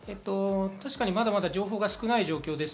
まだまだ情報が少ない状況です。